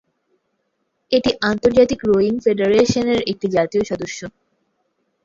এটি আন্তর্জাতিক রোয়িং ফেডারেশনের একটি জাতীয় সদস্য।